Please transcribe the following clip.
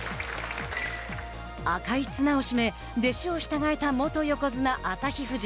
赤い綱を締め弟子を従えた元横綱・旭富士。